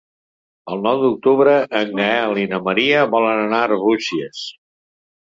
El nou d'octubre en Gaël i na Maria volen anar a Arbúcies.